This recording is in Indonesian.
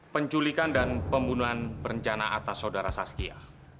penculikan dan pembunuhan berencana atas saudara saskia